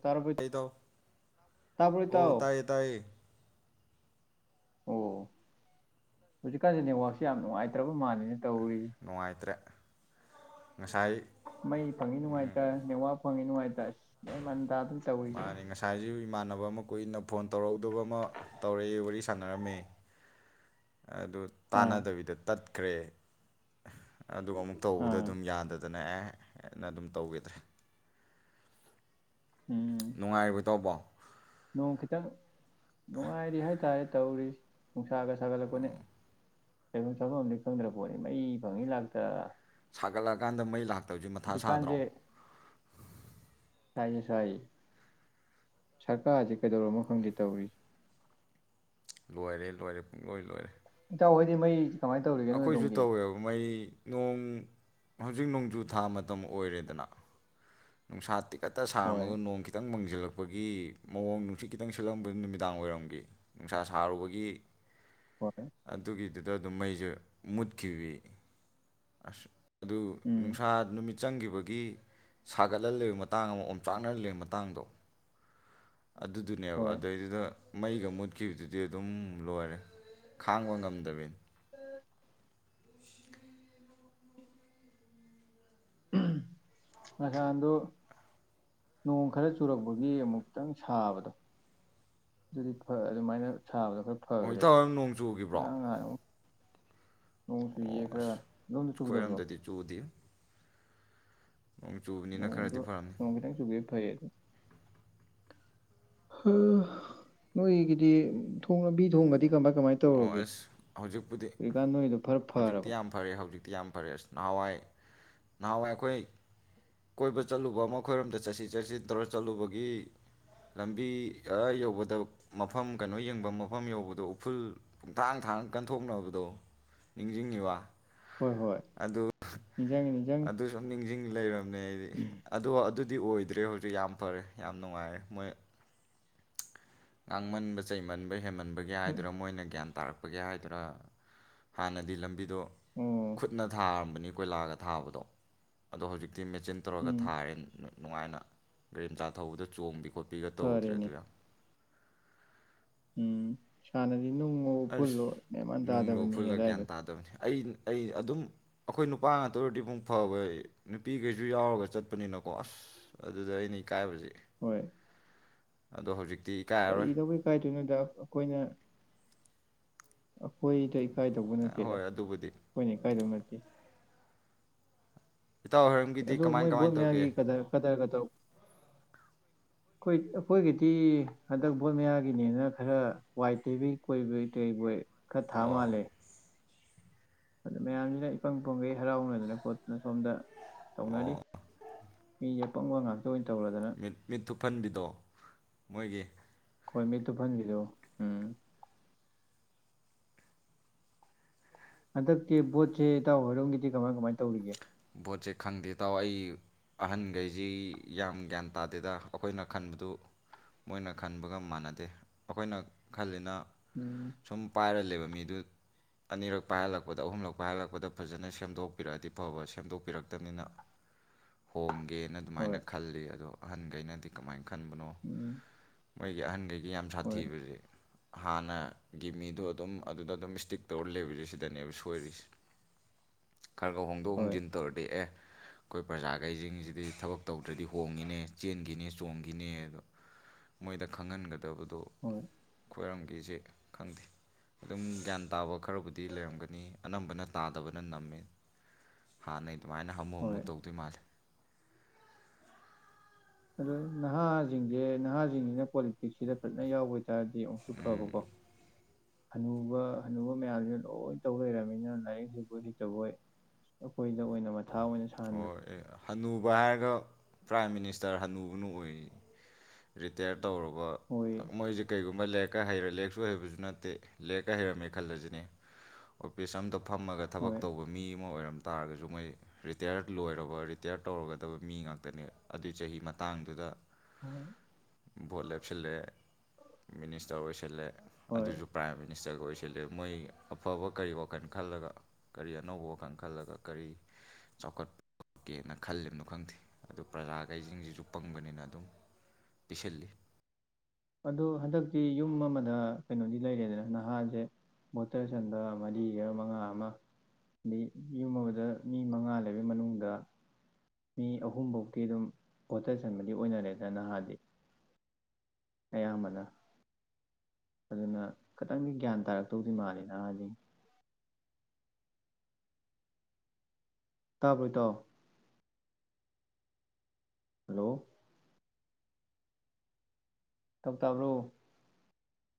ꯇꯥꯔꯕꯣ ꯇ ꯇ ꯇꯥꯕ꯭ꯔꯣ ꯑꯣ ꯏꯇꯥꯎ ꯇꯌꯦ ꯇꯌꯦ ꯑꯣ ꯍꯧꯖꯤꯛꯀꯥꯟꯁꯦ ꯅꯦꯠꯋꯥꯛꯁꯦ ꯌꯥꯝ ꯅꯨꯡꯉꯥꯏꯇ꯭ꯔꯕ ꯃꯥꯜꯜꯂꯤꯅ‌ꯦ ꯅꯨꯡꯉꯥꯏꯇ꯭ꯔꯦ ꯉꯁꯥꯏ ꯃꯩ ꯐꯪꯏꯤ ꯅꯨꯡꯉꯥꯏꯇ ꯅꯦꯋꯥꯛ ꯐꯉꯦ ꯅꯨꯡꯉꯥꯏ ꯇ ꯏꯁ ꯅ ꯃꯟꯗ ꯑꯗꯨ ꯆꯧꯕꯣꯏ ꯍꫭ ꯑꯃꯥ ꯀꯨꯏꯅ ꯐꯣꯟ ꯇꯧꯔꯛꯎꯨꯗꯕ ꯑꯃꯥ ꯇꯧꯔꯦ ꯋꯥꯔꯤ ꯁꯥꯟꯅꯔꯝꯃꯦ ꯑꯗꯨ ꯑꯥ ꯇꯥꯟꯅꯗꯕꯤꯗ ꯇꯠ ꯀ꯭ꯔꯤ ꯑꯗꯨꯒ ꯑꯃꯨꯛ ꯇꯧꯕꯗ ꯑꯥ ꯑꯗꯨꯝ ꯌꯥꯗꯗꯅ ꯑꯦ ꯅ ꯑꯗꯨꯝ ꯇꯧꯈꯤꯗ꯭ꯔꯦ ꯎꯝ ꯅꯨꯡꯉꯥꯏꯔꯤꯕ ꯏꯇꯥ꯭ꯎꯕꫭ ꯅꯣꯡ ꯇꯧꯔꯤ ꯅꯨꯡꯁꯥꯒ ꯁꯥꯒꯠꯂꯛꯄꯅꯦ ꯀꯥꯏꯐꯝ ꯆꯥꯐꯝ ꯑ ꯈꯪꯗ꯭ꯔꯄꯣꯠꯅꯤ ꯃꯩ ꯐꯪꯉꯤ ꯂꯥꯛꯇ ꯁꯥꯒꯠꯂꯛꯑꯀꯥꯟꯗ ꯃꯩ ꯂꯥꯛꯇꯕꯁꯦ ꯃꯊꯥ ꯁꯥꯗ꯭ꯔꯣ ꯍꯧꯖꯤꯛꯀꯥꯟꯁꯦ ꯁꯥꯏꯌꯦ ꯁꯥꯏꯌꯦ ꯁꯔꯀꯥꯔ ꯁꯤ ꯀꯩꯗꯧꯔꯝꯃꯣ ꯈꯪꯗꯦ ꯇꯧꯔꯤ ꯂꯣꯏꯔꯦ ꯂꯣꯏꯔꯦ ꯄꯨꯡꯂꯣꯏ ꯂꯣꯏꯔꯦ ꯏꯇꯧꯍꯣꯏꯗꯤ ꯃꯩ ꯀꯃꯥꯏꯅ ꯇꯧꯔꯤꯒꯦ ꯅꯣꯏ ꯑꯩꯈꯣꯏꯁꯨ ꯑꯗꯣꯝꯒꯤ ꯇꯧꯋꯦꯕ ꯃꯩ ꯅꯣꯡ ꯍꯧꯖꯤꯛ ꯅꯣꯡꯖꯨ ꯊꯥ ꯃꯇꯝ ꯑꯣꯏꯔꯦꯗꯅ ꯅꯨꯡꯁꯥ ꯇꯤ ꯀꯠꯇ ꯍꯣꯏ ꯁꯥꯔꯝꯃꯒ ꯅꯣꯡ ꯈꯤꯇꯪ ꯃꯪꯖꯜꯂꯛ ꯄꯒꯤ ꯃꯑꯣꯡ ꯅꯨꯡꯁꯤꯠ ꯈꯤꯇꯪ ꯁꯜꯂꯝꯕꯩ ꯅꯨꯃꯤꯗꯥꯡ ꯋꯥꯏꯔꯝꯒꯤ ꯅꯨꯡꯁꯥ ꯁꯥꯔꯨꯕꯒꯤ ꯍꯣꯏ ꯑꯗꯨꯒꯤꯗꯨ ꯗ ꯑꯗꯨꯝ ꯃꯩꯁꯦ ꯃꯨꯠꯈꯤꯕꯤ ꯑꯁ ꯑꯗꯨ ꯎꯝ ꯅꯨꯡꯁꯥ ꯅꯨꯃꯤꯠ ꯆꯪꯈꯤꯕꯒꯤ ꯁꯥꯒꯠꯍꯜꯂꯩꯕ ꯃꯇꯥꯡ ꯑꯃ ꯑꯣꯝꯆꯥꯛꯅꯍꯜ ꯂꯩꯕ ꯃꯇꯥꯡꯗꯣ ꯑꯗꯨꯗꯨꯅꯦꯕ ꯍꯣꯏ ꯑꯗꯨꯗꯩꯗꯨꯗ ꯃꯩꯒ ꯃꯨꯠꯈꯤꯕꯗꯨꯗꯤ ꯑꯗꯨꯝ ꯂꯣꯏꯔꯦ ꯈꯥꯡꯕ ꯉꯝꯗꯕꯤꯅꯤ ꯉꯍꯥꯟꯗꯣ ꯅꯣꯡ ꯈꯔ ꯆꯨꯔꯛꯄꯒꯤ ꯑꯃꯨꯛꯇꯪ ꯁꯥꯕꯗꯣ ꯑꯗꯨꯗꯤ ꯐꯥꯔꯛ ꯑꯗꯨꯃꯥꯏꯅ ꯁꯥꯕꯗꯣ ꯈꯔ ꯑꯣ ꯐꯈ꯭ꯔꯦ ꯏꯇꯥꯎ ꯍꯝ ꯅꯣꯡ ꯆꯨꯈꯤꯕ꯭ꯔꯣ ꯉꯔꯥꯡ ꯅꯍꯥꯟ ꯑꯃꯨꯛ ꯅꯣꯡ ꯆꯨꯏꯌꯦ ꯑꯣ ꯈꯔꯥ ꯑꯁ ꯑꯗꯣꯝꯗ ꯆꯨꯗꯕ꯭ꯔꯣ ꯑꯩꯈꯣꯏꯔꯣꯝꯗꯗꯤ ꯆꯨꯗꯦ ꯅꯣꯡ ꯆꯨꯕꯅꯤꯅ ꯅꯣꯡꯗꯣ ꯈꯔꯗꯤ ꯐꯔꯝꯅꯤ ꯅꯣꯡ ꯈꯤꯇꯪ ꯆꯨꯈꯤꯕ ꯐꯩꯌꯦ ꯅꯣꯏꯒꯤꯗꯤ ꯊꯣꯡ ꯂꯝꯕꯤ ꯊꯣꯡꯒꯗꯤ ꯀꯃꯥꯏ ꯀꯃꯥꯏ ꯑꯣ ꯇꯧꯔꯒꯦ ꯑꯁ ꯍꯧꯖꯤꯛꯄꯨꯗꯤ ꯍꯧꯖꯤꯛꯀꯥꯟ ꯅꯣꯏꯗꯣ ꯈꯔ ꯍꯧꯖꯤꯛꯇꯤ ꯐꯔꯕ ꯌꯥꯝ ꯐꯔꯦ ꯍꯧꯖꯤꯛꯇꯤ ꯌꯥꯝ ꯐꯔꯦ ꯑꯁ ꯅꯍꯥꯟꯋꯥꯏ ꯅꯍꯥꯟꯋꯥꯏ ꯑꯩꯈꯣꯏ ꯀꯣꯏꯕ ꯆꯠꯂꯨꯕ ꯑꯃ ꯑꯩꯏꯔꯣꯝꯗ ꯆꯠꯁꯤ ꯆꯠꯁꯤ ꯇꯧꯔ ꯆꯠꯂꯨꯕꯒꯤ ꯂꯝꯕꯤ ꯑꯥ ꯌꯧꯕꯗ ꯃꯐꯝ ꯀꯩꯅꯣ ꯌꯦꯡꯕꯝ ꯃꯐꯝ ꯌꯧꯕꯗꯣ ꯎꯐ꯭ꯔꯨꯜ ꯄꯨꯡꯊꯥꯡ ꯊꯥꯡꯉꯥ ꯀꯟꯊꯣꯛꯅꯕꯗꯣ ꯅꯤꯡꯁꯤꯡꯉꯤꯕ ꯍꯣꯏ ꯍꯣꯏ ꯑꯗꯨ ꯅꯤꯡꯖꯪꯉꯤ ꯅꯤꯡꯖꯪꯉꯤ ꯑꯗꯨ ꯁꯝ ꯅꯤꯡꯖꯤꯡ ꯂꯩꯔꯝꯅꯦ ꯑꯩꯗꯤ ꯑꯗꯣ ꯑꯗꯨꯗꯤ ꯑꯣꯏꯗ꯭ꯔꯦ ꯍꯧꯖꯤꯛ ꯌꯥꯝ ꯐꯔꯦ ꯌꯥꯝ ꯅꯨꯡꯉꯥꯏꯔꯦ ꯃꯣꯏ ꯉꯥꯡꯃꯟꯕ ꯆꯩꯃꯟꯕ ꯍꯦꯟꯃꯟꯕꯒꯦ ꯍꯥꯏꯗꯣꯏꯔꯥ ꯃꯣꯏꯅ ꯒ꯭ꯌꯥꯟ ꯇꯥꯔꯛꯄꯒꯤ ꯍꯥꯏꯗꯣꯏꯔꯥ ꯍꯥꯟꯅꯗꯤ ꯂꯝꯕꯤꯗꯣ ꯑꯣ ꯈꯨꯠꯅ ꯊꯥꯔꯝꯕꯅꯤ ꯀꯣꯏꯂꯥꯒ ꯊꯥꯕꯗꯣ ꯑꯗꯣ ꯍꯧꯖꯤꯛ ꯇꯤ ꯃꯦꯆꯤꯟ ꯇꯧꯔꯒ ꯎꯝ ꯊꯥꯔꯦ ꯅꯨꯡꯉꯥꯏꯅ ꯒꯥꯔꯤ ꯃꯆꯥ ꯊꯧꯕꯗ ꯆꯣꯡꯕꯤ ꯈꯣꯄꯤꯒ ꯇꯧꯗ꯭ꯔꯦ ꯐꯔꯦꯅꯦ ꯑꯗꯨ ꯌꯥꯝ ꯁꯥꯟꯅꯗꯤ ꯅꯨꯡꯍꯣ ꯑꯁ ꯅꯨꯡꯂ ꯎꯐꯨꯜꯂ ꯒ꯭ꯌꯥꯟ ꯇꯥꯗꯕꯅꯦ ꯑꯩ ꯑꯩ ꯑꯗꯨꯝ ꯑꯩꯈꯣꯏ ꯅꯨꯄꯥ ꯉꯥꯛꯇ ꯑꯣꯏꯔꯗꯤ ꯃꯨꯛ ꯐꯥꯕ ꯅꯨꯄꯤꯈꯩꯁꯨ ꯌꯥꯎꯔꯒ ꯆꯠꯄꯅꯤꯅꯀꯣ ꯑꯁ ꯑꯗꯨꯗ ꯑꯩꯅ ꯏꯀꯥꯏꯕꯁꯦ ꯍꯣꯏ ꯑꯗꯣ ꯍꯧꯖꯤꯛ ꯀꯔꯤꯗꯧꯕꯩ ꯏꯀꯥꯏꯗꯣꯏꯅꯣꯗ ꯑꯩꯈꯣꯏꯅ ꯑꯩꯈꯣꯏꯗ ꯏꯀꯥꯏꯗꯧꯕ ꯑ ꯅꯠꯇꯦꯗ ꯍꯣꯏ ꯑꯗꯨꯕꯨꯗꯤ ꯑꯩꯈꯣꯏꯅ ꯏꯀꯥꯏꯗꯧ ꯅꯠ ꯦ ꯏꯇꯥꯎ ꯍꯣꯏꯔꯝꯒꯤꯗꯤ ꯑꯗꯨ ꯀꯃꯥꯏ ꯃꯣꯏ ꯕꯣꯠ ꯀꯃꯥꯏꯅ ꯇꯧꯒꯦ ꯃꯌꯥꯒꯤ ꯀ ꯀꯗꯥ ꯀ ꯑꯩꯈꯣꯏꯒꯤꯗꯤ ꯍꯟꯗꯛ ꯕꯣꯠ ꯃꯌꯥꯒꯤꯅꯦꯅ ꯈꯔ ꯋꯥꯏ ꯇꯩꯕꯩ ꯀꯣꯏꯕꯩ ꯀꯩꯕꯣꯏ ꯀꯊꯥ ꯑꯣ ꯃꯥꯂꯦ ꯑꯗꯨ ꯃꯌꯥꯝꯁꯤꯅ ꯏꯄꯪ ꯄꯣꯡꯒꯩ ꯍꯔꯥꯎꯅꯗꯅ ꯄꯣꯠꯇꯨꯅ ꯁꯣꯝꯗ ꯑꯣ ꯇꯧꯅꯔꯤ ꯍꯄꯨꯡꯒꯉꯦ ꯃꯤ ꯃꯤꯠ ꯊꯨꯞꯍꯟꯕꯤꯗꯣ ꯃꯣꯏꯒꯤ ꯑꯩꯣꯏ ꯃꯤꯠꯇꯨ ꯐꯟꯕꯤꯗꯣ ꯎꯝ ꯍꯟꯗꯛꯇꯤ ꯕꯣꯠꯁꯦ ꯏꯇꯥꯎ ꯍꯣꯏꯔꯣꯝꯒꯤꯗꯤ ꯀꯃꯥꯏ ꯀꯃꯥꯏ ꯇꯧꯔꯤꯒꯦ ꯄꯣꯠꯁꯦ ꯈꯪꯗꯦ ꯇꯥꯎ ꯑꯩ ꯑꯍꯟꯈꯩꯁꯤ ꯌꯥꯝ ꯒ꯭ꯌꯥꯟ ꯇꯥꯗꯦꯗ ꯑꯩꯈꯣꯏꯅ ꯈꯟꯕꯗꯨ ꯃꯣꯏꯅ ꯈꯟꯕꯒ ꯃꯥꯟꯅꯗꯦ ꯑꯩꯈꯣꯏꯅ ꯈꯜꯂꯤꯅ ꯎꯝ ꯁꯨꯝ ꯄꯥꯏꯔ ꯂꯩꯕ ꯃꯤꯗꯨ ꯑꯅꯤꯔꯛ ꯄꯥꯏꯍꯜꯂꯛꯄꯗ ꯑꯍꯨꯝꯂꯛ ꯄꯥꯏꯍꯜꯂꯛꯄꯗ ꯐꯖꯅ ꯁꯦꯝꯗꯣꯛꯄꯤꯔꯛꯑꯗꯤ ꯐꯕꯁꯦ ꯁꯦꯝꯗꯣꯛꯄꯤꯔꯛꯇꯕꯅꯤꯅ ꯍꯣꯡꯒꯦꯅ ꯑꯗꯨꯃꯥꯏꯅ ꯍꯣꯏ ꯈꯜꯂꯤ ꯑꯗꯣ ꯑꯍꯟꯈꯩꯅꯗꯤ ꯀꯃꯥꯏꯅ ꯈꯟꯕꯅꯣ ꯎꯝ ꯃꯣꯏꯒꯤ ꯑꯍꯟꯈꯩꯒꯤ ꯌꯥꯝ ꯍꯣꯏ ꯁꯥꯊꯤꯕꯁꯦ ꯍꯥꯟꯅꯒꯤ ꯃꯤꯗꯣ ꯑꯗꯨꯝ ꯑꯗꯨꯗ ꯑꯗꯨꯝ ꯏꯁꯇꯤꯛ ꯇꯧꯔ ꯂꯩꯕꯁꯦ ꯁꯤꯗꯅꯦꯕ ꯁꯣꯏꯔꯤꯁꯦ ꯈꯔꯒꯥꯎ ꯍꯣꯡꯗꯣꯛ ꯍꯣꯏ ꯍꯣꯡꯖꯤꯟ ꯗꯦꯛ ꯑꯦ ꯑꯩꯈꯣꯏ ꯄ꯭ꯔꯖꯥꯈꯩꯁꯤꯡꯁꯤꯗꯤ ꯊꯕꯛ ꯇꯧ ꯑꯗꯨ꯭ꯔꯗꯤ ꯍꯣꯡꯉꯤꯅꯦ ꯆꯦꯟꯈꯤꯅꯤ ꯆꯣꯡꯈꯤꯅꯦ ꯑꯗꯣ ꯃꯣꯏꯗ ꯈꯪꯍꯟꯒꯗꯕꯗ ꯑꯗꯣ ꯍꯣꯏ ꯈ꯭ꯋꯥꯏꯔꯝꯒꯤꯁꯦ ꯈꯪꯗꯦ ꯑꯗꯨꯝ ꯒ꯭ꯌꯥꯟ ꯇꯥꯕ ꯈꯔꯕꯨꯗꯤ ꯂꯩꯔꯝꯒꯅꯤ ꯑꯅꯝꯕꯅ ꯇꯥꯗꯕꯅ ꯅꯝꯃꯤ ꯍꯥ ꯅ ꯑꯗꯨꯃꯥꯏꯅ ꯍꯥꯃꯨ ꯍꯥꯃꯨ ꯍꯣꯏ ꯇꯧꯗꯣꯏ ꯃꯥꯜꯂꯦ ꯑꯗꯣ ꯅꯍꯥꯁꯤꯡꯁꯦ ꯅꯍꯥꯁꯤꯡꯁꯤꯅ ꯄꯣꯂꯤꯇꯤꯛꯁꯁꯤꯗ ꯐꯖꯅ ꯌꯥꯎꯕ ꯆꯥꯔꯗꯤ ꯑꯃꯨꯛꯁꯨ ꯐꯕꯀꯣ ꯑꯅꯨꯕ ꯍꯅꯨꯕ ꯃꯌꯥꯝꯁꯤꯦ ꯂꯣꯏ ꯇꯧ ꯂꯩꯔꯕꯅꯤꯅ ꯂꯥꯏꯔꯤꯛꯁꯤꯕꯨ ꯍꯖꯤꯛꯇꯕꯣꯏ ꯑꯩꯈꯣꯏ ꯍꯣꯏ ꯑꯅꯨꯕ ꯍꯥꯏꯔꯒ ꯄ꯭ꯔꯥꯏꯝ ꯃꯤꯅꯤꯁꯇꯔ ꯍꯟꯅꯨꯕꯅ ꯑꯣꯏ ꯔꯤꯇꯥꯌꯔꯠ ꯇꯧꯨꯔꯕ ꯍꯣꯏ ꯃꯣꯏꯁꯦ ꯀꯩꯒꯨꯝꯕ ꯂ ꯍꯩꯔꯦ ꯂꯦꯛꯁꯨ ꯍꯩꯕꯁꯨ ꯅꯠꯇꯦ ꯂꯦꯛꯀ ꯍꯩꯔꯝꯃꯦ ꯈꯜꯂꯁꯤꯅꯦ ꯑꯣꯄꯤꯤꯁ ꯑꯇ ꯐꯝꯃꯒ ꯊꯕꯛ ꯍꯣꯏ ꯇꯧꯕ ꯃꯤ ꯑꯃ ꯑꯣꯏꯔꯝꯗ ꯇꯥꯔꯒꯁꯨ ꯃꯣꯏ ꯔꯤꯇꯌꯔ ꯂꯣꯏꯔꯕꫡꯏꯔ‌ꯦ ꯔꯤꯇꯌꯔ ꯇꯧꯔꯒꯗꯕ ꯃꯤ ꯉꯥꯛꯇꯅꯦ ꯑꯗꯨꯏ ꯆꯍꯤ ꯃꯇꯥꯡꯗꯨꯗ ꯍꯣꯏ ꯁꯤꯜꯂꯛꯑꯦ ꯃꯤꯅꯤꯁꯇꯔ ꯑꯣꯏꯁꯤꯜꯂ‌ꯦ ꯍꯣꯏ ꯑꯗꯨꯁꯨ ꯄ꯭ꯔꯥꯏꯝ ꯃꯤꯅꯤꯁꯇꯔꯒ ꯑꯣꯏꯁꯤ ꯁꯤꯜꯂꯛꯑꯦ ꯃꯣꯏ ꯑꯐꯕ ꯀꯔꯤ ꯋꯥꯈꯜ ꯈꯜꯂꯒ ꯀꯔꯤ ꯑꯅꯧꯕ ꯋꯥꯈꯜ ꯈꯜꯂꯒ ꯀꯔꯤ ꯆꯥꯎꯈꯠꯀꯦꯅ ꯈꯜꯂꯤꯝꯅꯣ ꯈꯪꯗꯦ ꯑꯗꯨ ꯄ꯭ꯔꯖꯥꯒꯩꯁꯤꯡꯁꯤꯁꯨ ꯄꯪꯕꯅꯤꯅ ꯑꯗꯨꯝ ꯄꯤꯁꯤꯜꯂꯤ ꯑꯗꯣ ꯍꯟꯗꯛꯇꯤ ꯌꯨꯝ ꯑꯃꯗ ꯀꯩꯅꯣꯗꯤ ꯂꯩꯔꯦꯗꯅ ꯅꯍꯥꯁꯦ ꯚꯣꯇꯔ ꯆꯟꯕ ꯃꯔꯤꯒ ꯃꯉꯥ ꯑꯃ ꯑꯗꯩ ꯌꯨꯝ ꯑꯃꯗ ꯃꯤ ꯃꯉꯥ ꯂꯩꯕꯩ ꯃꯅꯨꯡꯗ ꯃꯤ ꯑꯍꯨꯝꯕꯧꯛꯇꯤ ꯑꯗꯨꯝ ꯚꯣꯇꯔ ꯆꯟꯕꯗꯤ ꯑꯣꯏꯅꯔꯦꯗꯅ ꯅꯍꯥꯗꯤ ꯑꯌꯥꯝꯕꯅ ꯑꯗꯨꯅ ꯈꯇꯪꯗꯤ ꯒ꯭ꯌꯥꯟ ꯇꯥꯔꯛꯇꯧꯗꯤ ꯃꯥꯜꯂꯤ ꯅꯍꯥꯟꯅꯤ ꯇꯥꯕ꯭ꯔꯣ ꯏꯇꯥꯎ ꯍꯜꯂꯣ ꯇꯥꯎ ꯇꯥꯕ꯭ꯔꯣ